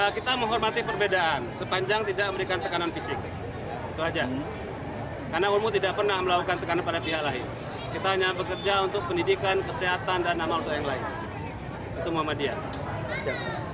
kita hanya bekerja untuk pendidikan kesehatan dan amal seorang yang lain